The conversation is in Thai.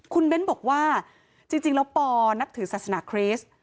คุณเบ้นบอกว่าจริงแล้วปอนับถือศาสนาคริสต์